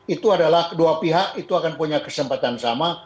itu adalah kedua pihak itu akan punya kesempatan sama